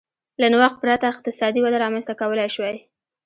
له نوښت پرته اقتصادي وده رامنځته کولای شوای